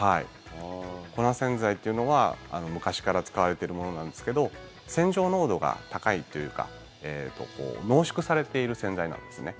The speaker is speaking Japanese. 粉洗剤というのは昔から使われているものなんですけど洗浄濃度が高いというか濃縮されている洗剤なんですね。